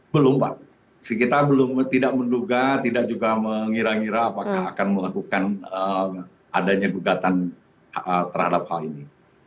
belum pak kita belum tidak menduga tidak juga mengira ngira apakah akan melakukan adanya gugatan terhadap hal ini